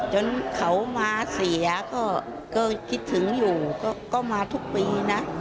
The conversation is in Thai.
จนเขามาเสียก็คิดถึงอยู่ก็มาทุกปีนะ